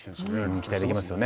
期待できますよね。